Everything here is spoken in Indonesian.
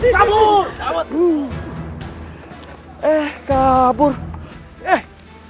kabur eh kabur eh